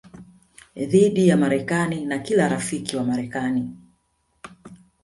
dhidi ya Marekani na kila rafiki wa Marekani